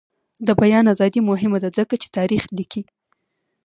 د بیان ازادي مهمه ده ځکه چې تاریخ لیکي.